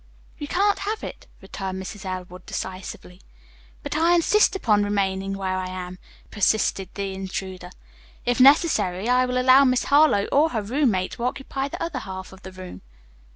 "You can't have it," returned Mrs. Elwood decisively. "But I insist upon remaining where I am," persisted the intruder. "If necessary, I will allow Miss Harlowe or her roommate to occupy the other half of the room."